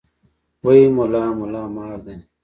وې ملا ملا مار دی.